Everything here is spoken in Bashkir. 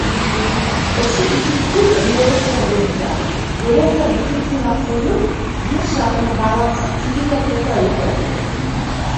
Ошо ике күл, риүәйәттәр буйынса, береһенән икенсеһенә ҡойоп, Ер шарының балансын тигеҙләп тота икән.